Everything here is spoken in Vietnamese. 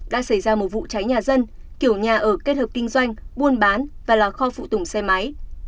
đã xảy ra một vụ cháy nhà dân kiểu nhà ở kết hợp kinh doanh buôn bán và là kho phụ tùng xe máy